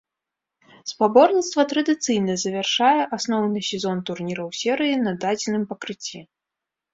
Спаборніцтва традыцыйна завяршае асноўны сезон турніраў серыі на дадзеным пакрыцці.